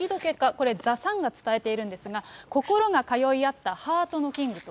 これ、ザ・サンが伝えているんですが、心が通い合ったハートのキングと。